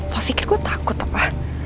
lo pikir gue takut apa